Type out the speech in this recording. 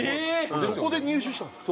どこで入手したんですか？